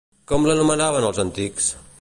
Com l'anomenaven els antics?